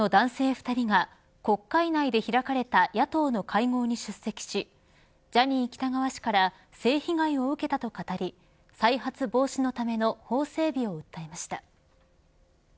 ２人が国会内で開かれた野党の会合に出席しジャニー喜多川氏から性被害を受けたと語り再発防止のための法整備を訴えました。